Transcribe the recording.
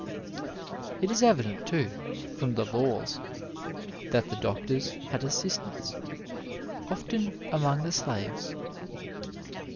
It is evident, too, from the Laws^ that the doctors had assistants, often among the slaves.